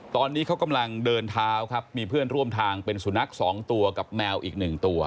ตอนนี้เขากำลังเดินเท้าครับมีเพื่อนร่วมทางเป็นสุนัขสองตัวกับแมวอีกหนึ่งตัว